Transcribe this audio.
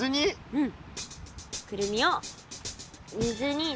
うん。